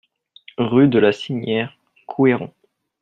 Rue de la Sinière, Couëron